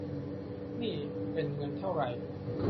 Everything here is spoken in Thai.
นี่เป็นเงินเท่าไหร่